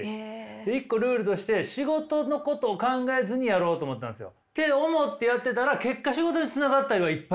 一個ルールとして仕事のことを考えずにやろうと思ったんですよ。って思ってやってたら結果仕事につながったりはいっぱいしました。